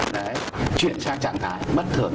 đấy chuyển sang trạng thái bất thường